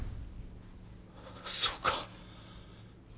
そうか。